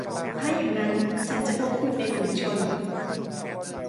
ถ้าอย่างนั้นฉันจะพบคุณในฝูงชน ?